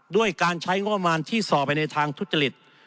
ด้วยการใช้งวมวานที่สอบไปในทางทุกจริต